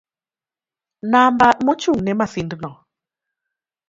Namba mochung'ne masindno